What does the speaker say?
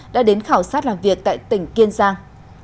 đã đến khảo sát làm việc tại tỉnh kiên giang